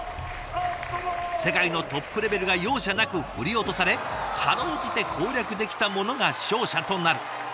世界のトップレベルが容赦なく振り落とされ辛うじて攻略できた者が勝者となる。